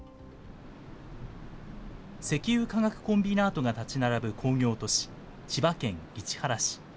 石油化学コンビナートが建ち並ぶ工業都市、千葉県市原市。